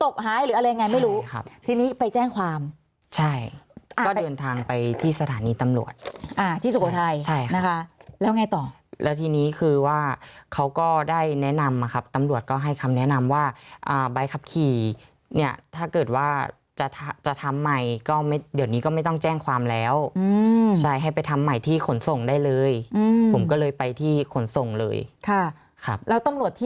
หายหรืออะไรยังไงไม่รู้ครับทีนี้ไปแจ้งความใช่ก็เดินทางไปที่สถานีตำรวจอ่าที่สุโขทัยใช่นะคะแล้วไงต่อแล้วทีนี้คือว่าเขาก็ได้แนะนำอะครับตำรวจก็ให้คำแนะนำว่าอ่าใบขับขี่เนี่ยถ้าเกิดว่าจะจะทำใหม่ก็ไม่เดี๋ยวนี้ก็ไม่ต้องแจ้งความแล้วอืมใช่ให้ไปทำใหม่ที่ขนส่งได้เลยอืมผมก็เลยไปที่ขนส่งเลยค่ะครับแล้วตำรวจที่